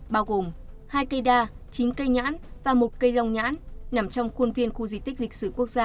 bao gồm hai cây đa chín cây nhãn và một cây rong nhãn nằm trong khuôn viên khu di tích lịch sử quốc gia